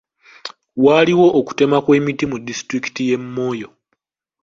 Waliwo okutema kw'emiti mu disitulikiti y'e Moyo.